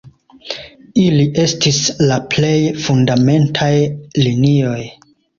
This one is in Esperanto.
Ili estis la plej fundamentaj linioj.